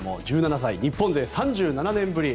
１７歳、日本勢で３７年ぶり